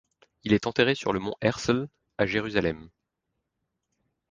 Il est enterré sur le Mont Herzl à Jérusalem.